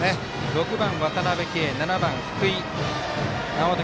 ６番、渡辺憩７番、福井直睦